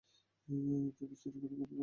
JD sir এখন গভীর ঘুমে।